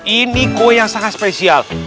ini kue yang sangat spesial